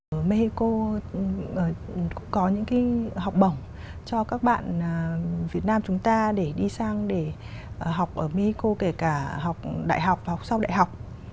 ở mexico cũng có những cái học bổng cho các bạn việt nam chúng ta để đi sang để học ở mexico kể cả học đại học và học sau đại học